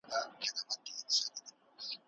زه په لاري کي خپل کار کوم.